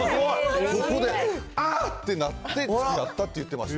ここで、ああ！ってなって、つきあったって言ってました。